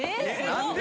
何で？